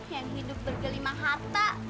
yang hidup bergelimah harta